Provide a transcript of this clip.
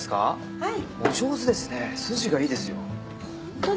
はい。